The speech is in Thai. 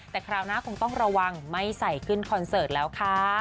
แต่คราวหน้าคงต้องระวังไม่ใส่ขึ้นคอนเสิร์ตแล้วค่ะ